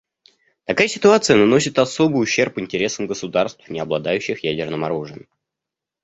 Такая ситуация наносит особый ущерб интересам государств, не обладающих ядерным оружием.